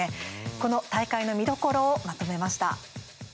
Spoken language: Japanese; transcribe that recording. この大会の見どころをまとめました。